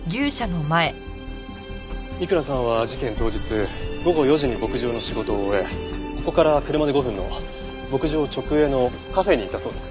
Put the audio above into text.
三倉さんは事件当日午後４時に牧場の仕事を終えここから車で５分の牧場直営のカフェに行ったそうです。